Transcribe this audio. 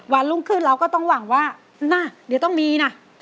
วันรุ่งขึ้นเราก็ต้องหวังว่านะเดี๋ยวต้องมีนะ